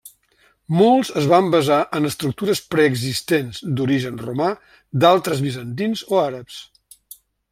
Molts es van basar en estructures preexistents d'origen romà, d'altres bizantins o àrabs.